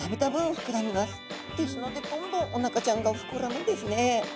ですのでどんどんおなかちゃんが膨らむんですね。